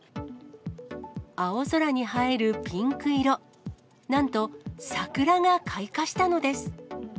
青空に映えるピンク色、なんと、桜が開花したのです。